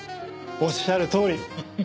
おっしゃるとおり。